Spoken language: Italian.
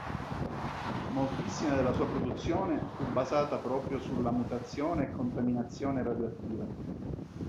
Moltissima della sua produzione fu basata proprio sulla mutazione e contaminazione radioattiva.